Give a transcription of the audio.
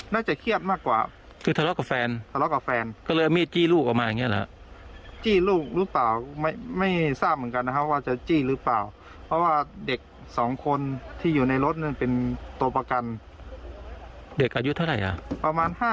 เด็กอายุเท่าไหร่